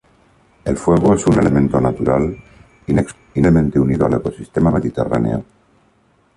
El fuego es un elemento natural inexorablemente unido al ecosistema mediterráneo.